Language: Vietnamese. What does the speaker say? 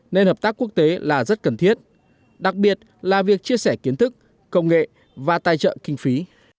nên hợp tác quốc tế là rất cần thiết đặc biệt là việc chia sẻ kiến thức công nghệ và tài trợ kinh phí